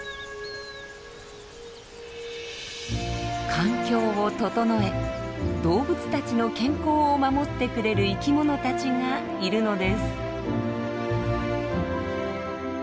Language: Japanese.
環境を整え動物たちの健康を守ってくれる生き物たちがいるのです。